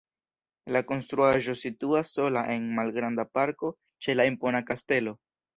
La konstruaĵo situas sola en malgranda parko ĉe la impona kastelo.